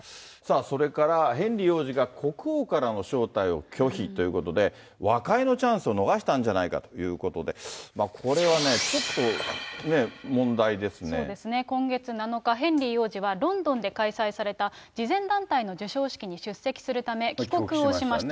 それからヘンリー王子が国王からの招待を拒否ということで、和解のチャンスを逃したんじゃないかということで、これはね、ちょっそうですね、今月７日、ヘンリー王子は、ロンドンで開催された慈善団体の授賞式に出席するため、帰国をしました。